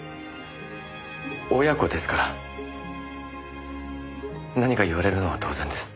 親子ですから何か言われるのは当然です。